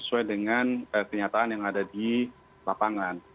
sesuai dengan kenyataan yang ada di lapangan